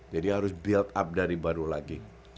jadi harus build up dari baru lagi